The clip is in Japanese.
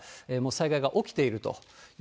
災害が起きているという。